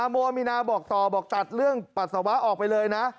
โมมีนาบอกต่อบอกตัดเรื่องปัสสาวะออกไปเลยนะ